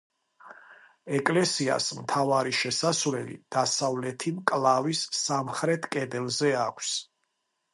ეკლესიას მთავარი შესასვლელი დასავლეთი მკლავის სამხრეთ კედელზე აქვს.